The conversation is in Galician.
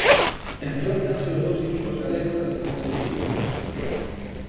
Enfróntanse os dous equipos galegos da Segunda División.